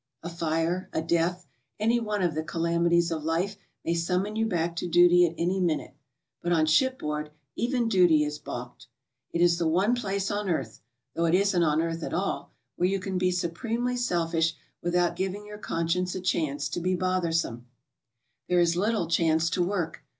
A fire, a death, any one of the calamities of life may summon you back to duty at any minute. But on ship board even duty is balked. It is the one place on earth, though it isn't on earth at all, where you can be supremely selfish without giving your conscience a chance to be bother some. There is little chance to work.